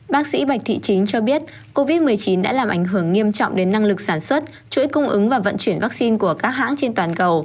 bác sĩ bạch thị chính cho biết covid một mươi chín đã làm ảnh hưởng nghiêm trọng đến năng lực sản xuất chuỗi cung ứng và vận chuyển vaccine của các hãng trên toàn cầu